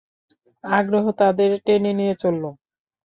আগ্রহ তাদের টেনে নিয়ে চলল।